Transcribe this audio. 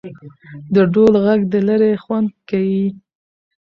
د ډول ږغ د ليري خوند کيي.